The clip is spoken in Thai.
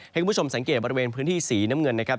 ให้คุณผู้ชมสังเกตบริเวณพื้นที่สีน้ำเงินนะครับ